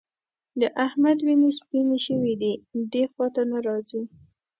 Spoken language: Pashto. د احمد وینې سپيېنې شوې دي؛ دې خوا ته نه راځي.